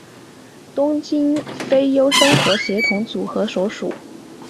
东京俳优生活协同组合所属。